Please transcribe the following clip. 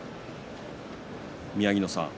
宮城野さん